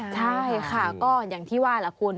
ใช่ค่ะก็อย่างที่ว่าล่ะคุณ